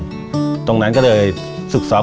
คุณครูเห็นความสามารถน้องตั้งแต่วันที่โรงเรียนจัดปีใหม่